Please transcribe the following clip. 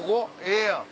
ええやん。